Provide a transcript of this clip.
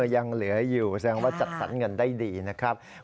ยังเหลืออยู่แสดงว่าจัดสรรเงินได้ดีนะครับ